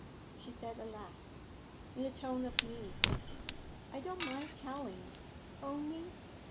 she said at last, in a tone of meaning. 'I don't mind telling; only....